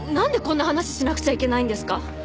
んでこんな話しなくちゃいけないんですか？